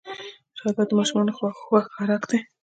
شربت د ماشومانو خوښ خوراک دی